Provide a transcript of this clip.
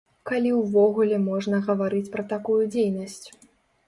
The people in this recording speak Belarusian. Калі ўвогуле можна гаварыць пра такую дзейнасць.